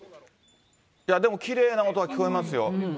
でもきれいな音が聞こえますよ。